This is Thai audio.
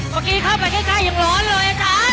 เมื่อกี้เข้าใกล้ยังร้อนเลยอาจารย์